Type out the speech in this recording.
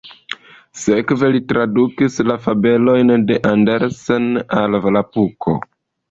Sekve li tradukis la fabelojn de Andersen al Volapuko.